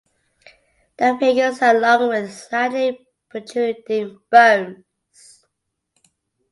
The fingers are long with slightly protruding bones.